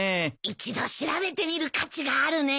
一度調べてみる価値があるね。